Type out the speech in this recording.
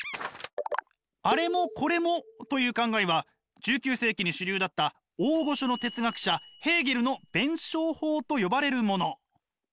「あれもこれも」という考えは１９世紀に主流だった大御所の哲学者ヘーゲルの弁証法と呼ばれるもの。